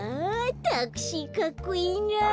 タクシーかっこいいな。